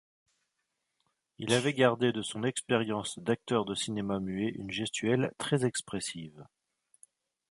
Il avait gardé de son expérience d'acteur de cinéma muet une gestuelle très expressive.